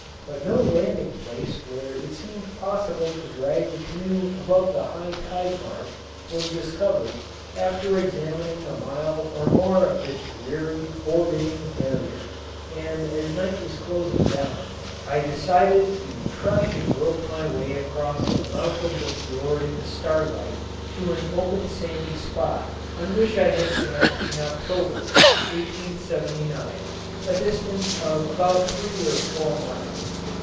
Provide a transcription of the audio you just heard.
But no landing place where it seemed possible to drag the canoe above high tide mark was discovered after examining a mile or more of this dreary, forbidding barrier, and as night was closing down, I decided to try to grope my way across the mouth of the fiord in the starlight to an open sandy spot on which I had camped in October, 1879, a distance of about three or four miles.